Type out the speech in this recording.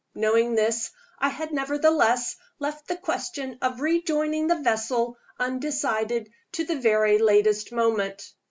Knowing this, I had nevertheless left the question of rejoining the vessel undecided to the very latest moment.